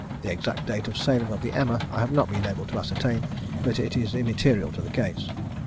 The exact date of sailing of the Emma I have not been able to ascertain, but it is immaterial to the case.